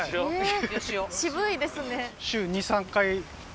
へぇ渋いですね。